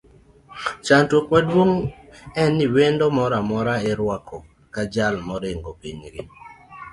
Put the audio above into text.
Chandruok maduong en ni wendo moro amora iruako kaka jal ma oringo piny gi.